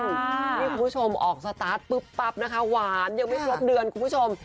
นี่คุณผู้ชมออกสตาร์ทปุ๊บปั๊บนะคะหวานยังไม่ครบเดือนคุณผู้ชม